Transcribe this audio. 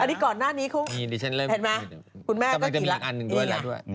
อันนี้ก่อนหน้านี้คุณเห็นไหมคุณแม่ก็กินแล้ว